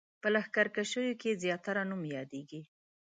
په لښکرکښیو کې زیاتره نوم یادېږي.